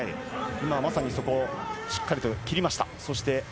今まさにそこをしっかりと切りました。